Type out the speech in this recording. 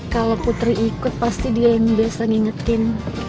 kalau putri ikut pasti dia yang biasa ngingetin